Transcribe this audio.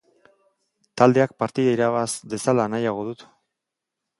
Taldeak partida irabaz dezala nahiago dut.